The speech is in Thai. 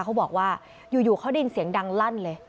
เขาบอกว่าอยู่เขาได้ยินเสียงดังลั่นเลย